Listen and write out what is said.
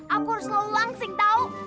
aku harus selalu langsing tau